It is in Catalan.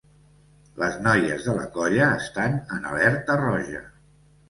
Les noies de la colla estan en alerta roja.